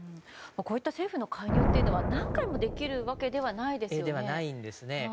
こういった政府の介入は何回もできるわけではないですよね。